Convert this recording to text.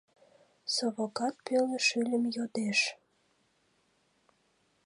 Совокат пеле шӱльым йодеш.